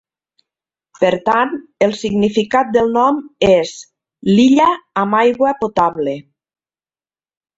Per tant, el significat del nom és "l'illa amb aigua potable".